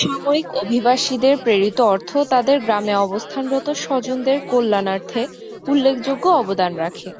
সাময়িক অভিবাসীদের প্রেরিত অর্থ তাদের গ্রামে অবস্থানরত স্বজনদের কল্যাণার্থে উল্লেখযোগ্য অবদান রাখে।